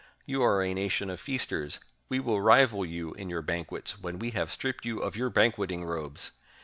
You are a nation of f casters: we will rival you in your banquets when we have stripped you of your banquet ing robes!